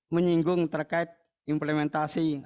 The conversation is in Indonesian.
sehingga kedepannya kita dapat memiliki pijakan yang lebih baik